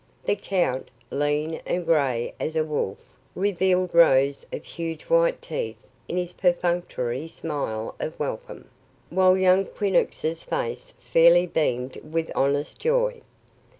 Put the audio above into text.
The count, lean and gray as a wolf, revealed rows of huge white teeth in his perfunctory smile of welcome, while young Quinnox's face fairly beamed with honest joy.